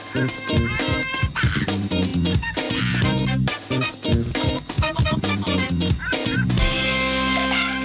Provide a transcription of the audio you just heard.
โปรดติดตามตอนต่อไป